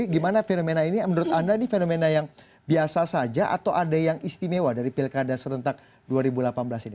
gimana fenomena ini menurut anda ini fenomena yang biasa saja atau ada yang istimewa dari pilkada serentak dua ribu delapan belas ini